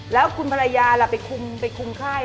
แล้วคุณภรรยาไปคุมไข้ป่ะ